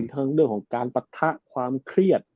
อยู่ของเรื่องการปรรถะความเครียด